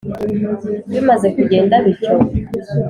bimaze kugenda bityo,